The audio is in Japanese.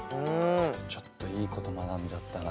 ちょっといいこと学んじゃったな。